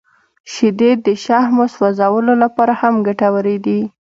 • شیدې د شحمو سوځولو لپاره هم ګټورې دي.